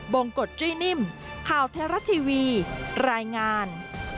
งกฎจุ้ยนิ่มข่าวไทยรัฐทีวีรายงาน